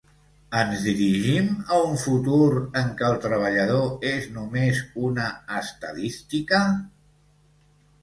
Ens dirigim a un futur en què el treballador és només una estadística?